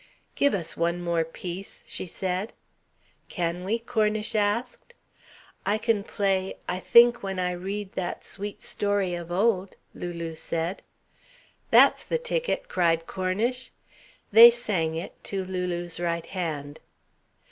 "Give us one more piece," she said. "Can we?" Cornish asked. "I can play 'I Think When I Read That Sweet Story of Old,'" Lulu said. "That's the ticket!" cried Cornish. They sang it, to Lulu's right hand.